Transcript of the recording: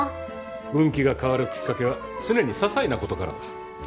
運気が変わるきっかけは常に些細なことからだ。